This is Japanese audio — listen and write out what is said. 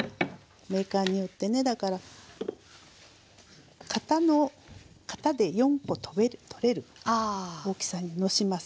メーカーによってねだから型で４コ取れる大きさにのします。